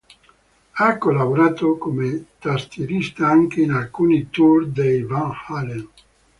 Ha collaborato come tastierista anche in alcuni tour dei Van Halen.